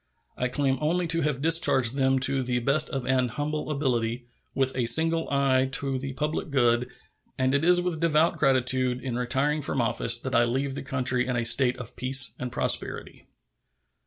I claim only to have discharged them to the best of an humble ability, with a single eye to the public good, and it is with devout gratitude in retiring from office that I leave the country in a state of peace and prosperity.